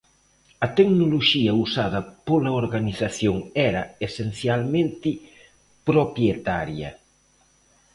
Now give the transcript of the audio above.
A tecnoloxía usada pola organización era esencialmente propietaria.